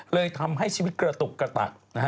เลยทำให้ชีวิตกระตุกกระตะนะฮะ